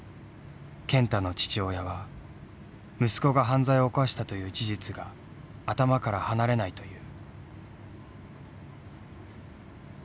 健太の父親は息子が犯罪を犯したという事実が頭から離れないという。